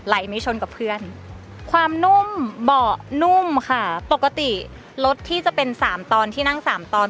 ไม่ชนกับเพื่อนความนุ่มเบาะนุ่มค่ะปกติรถที่จะเป็นสามตอนที่นั่งสามตอน